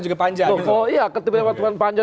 juga panjai oh iya ketika tuan panjai